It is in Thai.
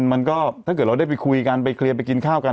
มันก็ถ้าเกิดเราได้ไปคุยกันไปเคลียร์ไปกินข้าวกัน